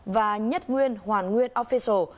và nhất nguyên hoàn nguyên official